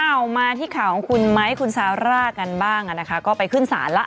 อ้าวมาที่ข่าวของคุณไมค์คุณซาร่ากันบ้างก็ไปขึ้นศาลละ